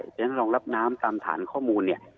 ฉะนั้นรองรับน้ำตามฐานข้อมูลเนี่ย